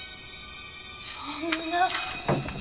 そんな。